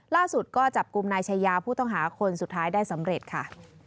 ล่าสุดก็จับกลุ่มนายชายาผู้ต้องหาคนสุดท้ายได้สำเร็จค่ะ